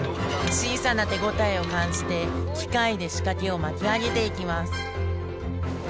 小さな手応えを感じて機械で仕掛けを巻き上げていきます